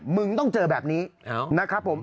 มึงต้องเจอแบบนี้นะครับผม